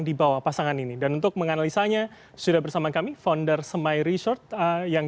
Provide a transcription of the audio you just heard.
dibawa pasangan ini dan untuk menganalisanya sudah bersama kami founder semai resort yang